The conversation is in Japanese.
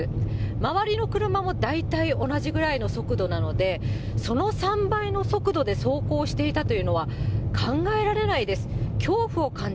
周りの車も大体同じぐらいの速度なので、その３倍の速度で走行していたというのは、考えられないです。